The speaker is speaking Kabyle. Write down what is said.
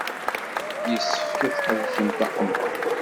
Yessefk ad tḥebsemt aqemmer.